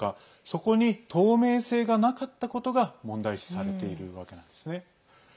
そこに透明性がなかったことが問題視されているわけなんですね。